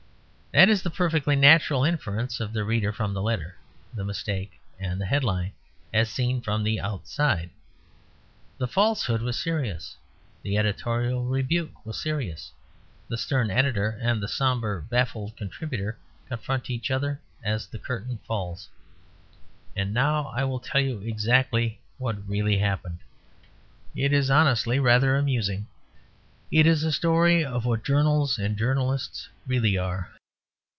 That is the perfectly natural inference of the reader from the letter, the mistake, and the headline as seen from the outside. The falsehood was serious; the editorial rebuke was serious. The stern editor and the sombre, baffled contributor confront each other as the curtain falls. And now I will tell you exactly what really happened. It is honestly rather amusing; it is a story of what journals and journalists really are.